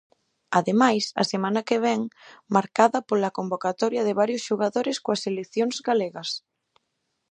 Ademais, a semana vén marcada pola convocatoria de varios xogadores coas seleccións galegas.